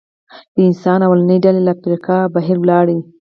د انسان لومړنۍ ډلې له افریقا بهر ولاړې.